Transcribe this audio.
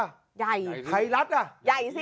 ใหญ่ไขลัดอ่ะ